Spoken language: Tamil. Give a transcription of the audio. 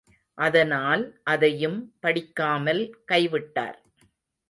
அதனால், அதையும் படிக்காமல் கைவிட்டார்.